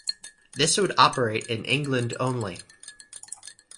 This would operate in England only.